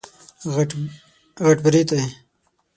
غټ برېتی